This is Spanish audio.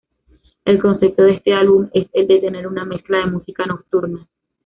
El concepto de este álbum es el de tener una mezcla de música nocturna.